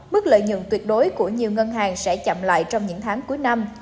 mức lợi nhuận tuyệt đối của nhiều ngân hàng sẽ chậm lại trong những tháng cuối năm